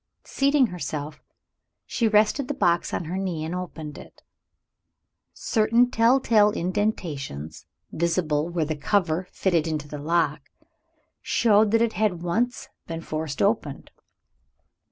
Seating herself, she rested the box on her knee and opened it. Certain tell tale indentations, visible where the cover fitted into the lock, showed that it had once been forced open.